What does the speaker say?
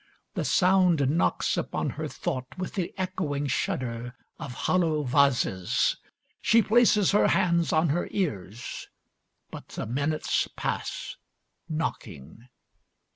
The sound knocks upon her thought with the echoing shudder of hollow vases. She places her hands on her ears, but the minutes pass, knocking.